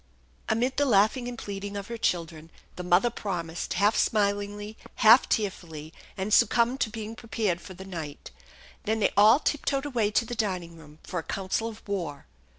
Amid the laughing and pleading of her children the mother promised, half smilingly, half tearfully, and succumbed to being prepared for the night. Then they all tiptoed away to the dining room for a council of war.